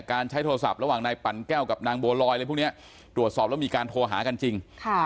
ใช้โทรศัพท์ระหว่างนายปั่นแก้วกับนางบัวลอยอะไรพวกนี้ตรวจสอบแล้วมีการโทรหากันจริง